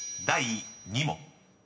［第２問］